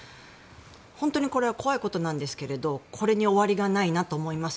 本当にこれは怖いことなんですけどこれに終わりがないなと思います。